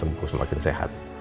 semakin sembuh semakin sehat